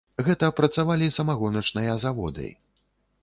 Гэта працавалі самагоначныя заводы.